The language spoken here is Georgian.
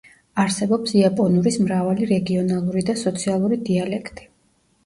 არსებობს იაპონურის მრავალი რეგიონალური და სოციალური დიალექტი.